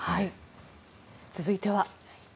続いては。